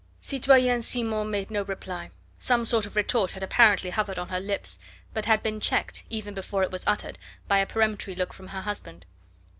Citoyenne Simon made no reply. Some sort of retort had apparently hovered on her lips, but had been checked, even before it was uttered, by a peremptory look from her husband.